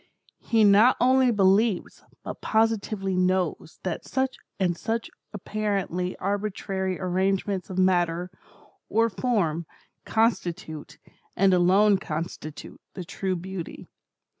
He not only believes, but positively knows, that such and such apparently arbitrary arrangements of matter, or form, constitute, and alone constitute, the true Beauty.